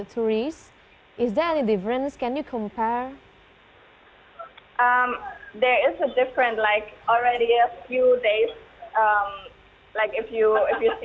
mungkin ada situasi di sana tentang para pengungsi